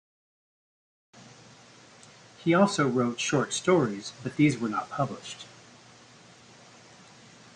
He also wrote short stories but these were not published.